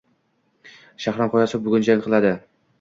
Shahram G‘iyosov bugun jang qilading